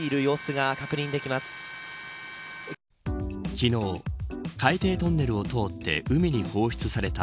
昨日、海底トンネルを通って海に放出された